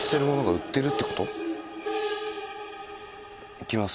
「いきます」